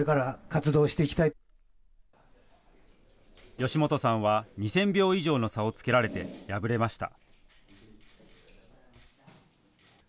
吉本さんは２０００票以上の差をつけられて敗れました。